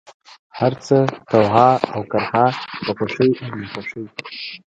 هرڅه، طوعا اوكرها ، په خوښۍ او ناخوښۍ،